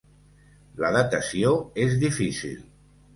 La datació és difícil.